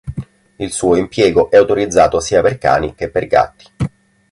Il suo impiego è autorizzato sia per cani che per gatti.